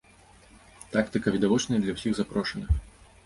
Тактыка відавочная і для ўсіх запрошаных.